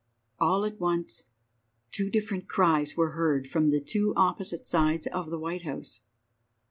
All at once two different cries were heard from the two opposite sides of the White House.